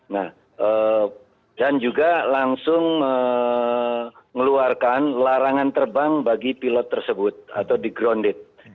nah dan juga langsung mengeluarkan larangan terbang bagi pilot tersebut atau di grounded